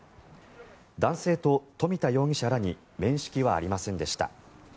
男性と富田容疑者らに面識はありませんでした。